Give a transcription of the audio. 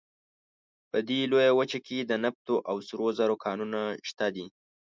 په دې لویه وچه کې د نفتو او سرو زرو کانونه شته دي.